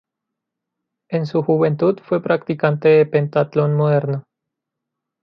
En su juventud fue practicante de pentatlón moderno.